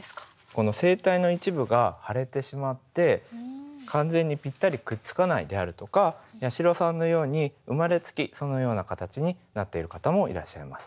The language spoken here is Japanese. この声帯の一部が腫れてしまって完全にぴったりくっつかないであるとか八代さんのように生まれつきそのような形になっている方もいらっしゃいます。